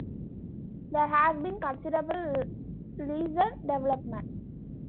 There has been considerable recent development.